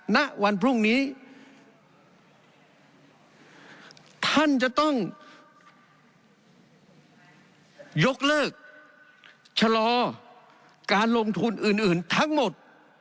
ณวันพรุ่งนี้ท่านจะต้องยกเลิกชะลอการลงทุนอื่นทั้งหมด